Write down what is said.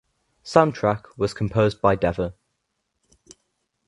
Soundtrack was composed by Deva.